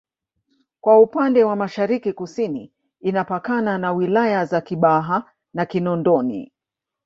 kwa upande wa Mashariki Kusini inapakana na wilaya za Kibaha na Kinondoni